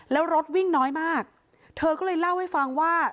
แล้วรถวิ่งน้อยมากเธอก็เลยเล่าให้ฟังว่า